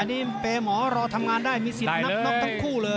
นี่เปย์หมอรอทำงานได้มีสิทธิ์นับน็อกทั้งคู่เลย